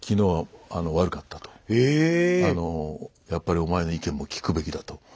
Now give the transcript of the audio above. あのやっぱりお前の意見も聞くべきだと。